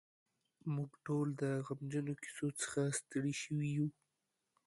موږ ټول د غمجنو کیسو څخه ستړي شوي یو.